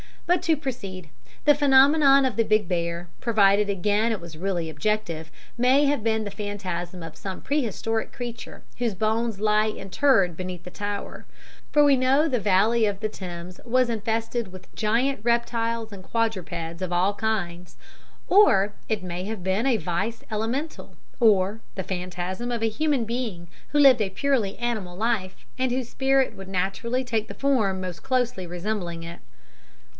But to proceed. The phenomenon of the big bear, provided again it was really objective, may have been the phantasm of some prehistoric creature whose bones lie interred beneath the Tower; for we know the Valley of the Thames was infested with giant reptiles and quadrupeds of all kinds (I incline to this theory); or it may have been a Vice Elemental, or the phantasm of a human being who lived a purely animal life, and whose spirit would naturally take the form most closely resembling it.